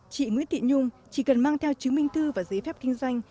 chị nguyễn thị nhung chỉ cần mang theo chứng minh thư và giấy phép kinh doanh